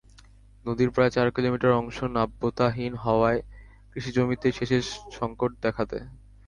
নদীর প্রায় চার কিলোমিটার অংশ নাব্যতাহীন হওয়ায় কৃষিজমিতে সেচের সংকট দেখা দেয়।